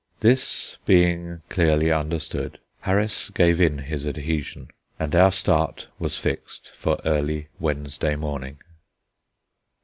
This being clearly understood, Harris gave in his adhesion; and our start was fixed for early Wednesday morning.